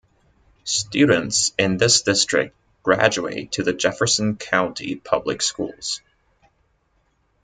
Students in this district graduate to the Jefferson County Public Schools.